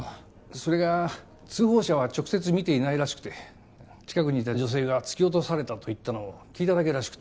・それが通報者は直接見ていないらしくて近くにいた女性が突き落とされたと言ったのを聞いただけらしくて。